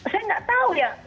saya nggak tahu ya